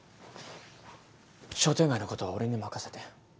商店街のことは俺に任せて。